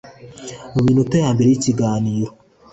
mu minota ya mbere y’ikiganiro